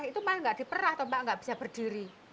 itu malah gak diperah tuh mbak gak bisa berdiri